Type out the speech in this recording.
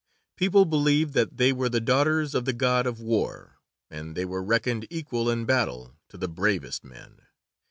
People believed that they were the daughters of the God of War, and they were reckoned equal in battle to the bravest men.